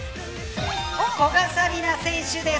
古賀紗理那選手です。